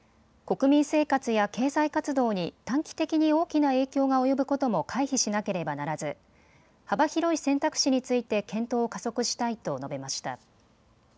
国民生活や経済活動に短期的に大きな影響が及ぶことも回避しなければならず幅広い選択肢について検討を加速したいと述べました。